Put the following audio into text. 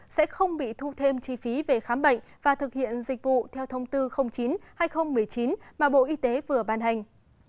sẽ không bị thu thêm chi phí về khám bệnh và thực hiện dịch vụ theo thông tư chín hai nghìn một mươi chín mà bộ y tế vừa ban hành